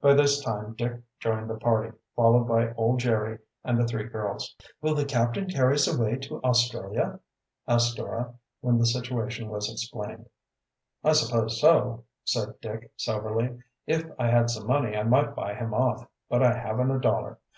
By this time Dick joined the party, followed by old Jerry and the three girls. "Will the captain carry us away to Australia?" asked Dora, when the situation was explained. "I suppose so," said Dick soberly. "If I had some money I might buy him off, but I haven't a dollar.